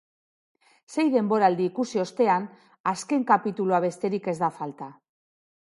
Sei denboraldi ikusi ostean, azken kapitulua besterik ez da falta.